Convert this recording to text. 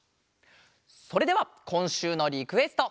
それではこんしゅうのリクエスト。